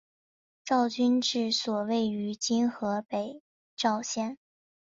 赵郡治所位于今河北赵县。